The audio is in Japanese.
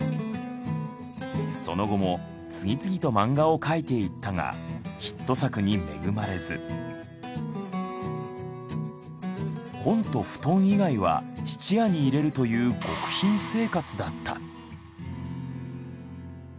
その後も次々と漫画を描いていったがヒット作に恵まれず本と布団以外は質屋に入れるという極貧生活だった。